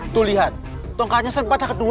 tuh lihat tongkatnya sempat ke kedua